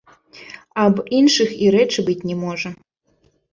Аб іншых і рэчы быць не можа.